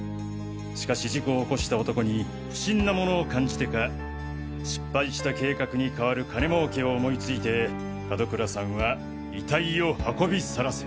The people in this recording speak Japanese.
しかし事故を起こした男に不審なものを感じてか失敗した計画に代わる金儲けを思いついて門倉さんは遺体を運び去らせ。